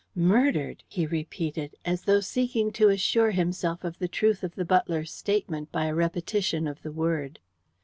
"Murdered!" he repeated, as though seeking to assure himself of the truth of the butler's statement by a repetition of the word.